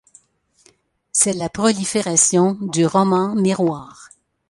C'est la prolifération du roman-miroir.